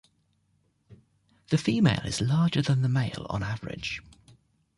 The female is larger than the male on average.